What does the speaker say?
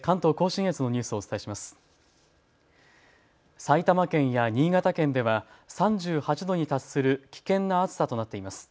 埼玉県や新潟県では３８度に達する危険な暑さとなっています。